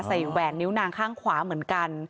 แหวนนิ้วนางข้างขวาเหมือนกัน